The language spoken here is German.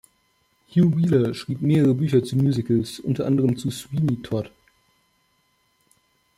Hugh Wheeler schrieb mehrere Bücher zu Musicals, unter anderem zu Sweeney Todd.